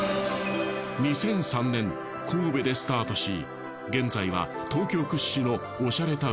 ２００３年神戸でスタートし現在は東京屈指のおしゃれ